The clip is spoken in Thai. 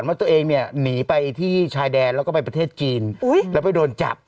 ว่าตัวเองเนี่ยหนีไปที่ชายแดนแล้วก็ไปประเทศจีนแล้วไปโดนจับ